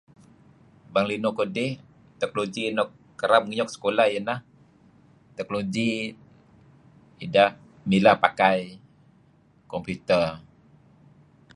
bang linuh kudih technology nuk kereb ngiuk sekulah ieh ineh technology ideh mileh pakai komputer